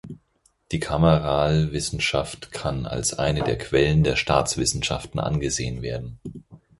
Die Kameralwissenschaft kann als eine der Quellen der Staatswissenschaften angesehen werden.